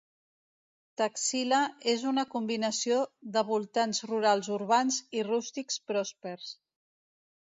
Taxila és una combinació de voltants rurals urbans i rústics pròspers.